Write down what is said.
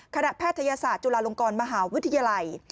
แพทยศาสตร์จุฬาลงกรมหาวิทยาลัย